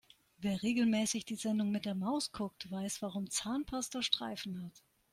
Wer regelmäßig die Sendung mit der Maus guckt, weiß warum Zahnpasta Streifen hat.